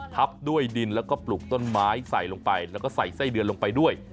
ทับด้วยดินแล้วก็ปลูกต้นไม้ใส่ลงไปแล้วก็ใส่ไส้เดือนลงไปด้วย